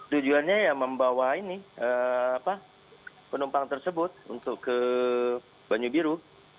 tujuannya ya membawa ini penumpang tersebut untuk ke banyu biru